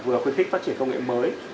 vừa quyết thích phát triển công nghệ mới